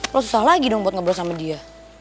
lo susah lagi dong buat ngobrol sama dia